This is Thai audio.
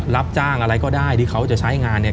รับจ้างอะไรก็ได้ที่เขาจะใช้งานเนี่ย